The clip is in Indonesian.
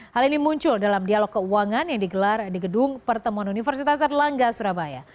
hal ini muncul dalam dialog keuangan yang digelar di gedung pertemuan universitas erlangga surabaya